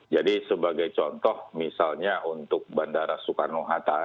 jadi sebagai contoh misalnya untuk bandara soekarno hatta